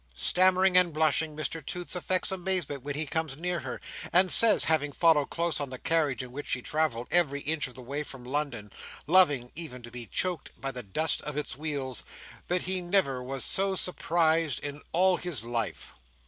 Stammering and blushing, Mr Toots affects amazement when he comes near her, and says (having followed close on the carriage in which she travelled, every inch of the way from London, loving even to be choked by the dust of its wheels) that he never was so surprised in all his life.